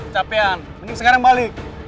capean mending sekarang balik